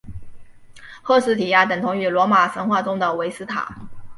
赫斯提亚等同于罗马神话中的维斯塔。